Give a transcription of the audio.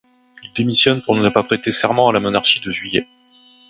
Il démissionne pour ne pas prêter serment à la Monarchie de Juillet.